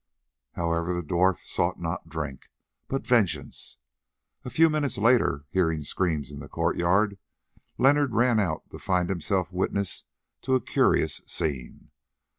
However, the dwarf sought not drink, but vengeance. A few minutes later, hearing screams in the courtyard, Leonard ran out to find himself witness to a curious scene.